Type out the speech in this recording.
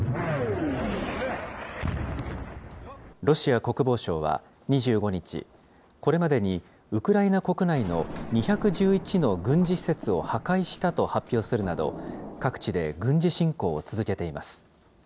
ロシア国防省は２５日、これまでにウクライナ国内の２１１の軍事施設を破壊したと発表するなど、各地で軍事侵攻を続けています。